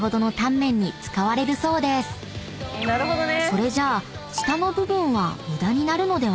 ［それじゃあ下の部分は無駄になるのでは？］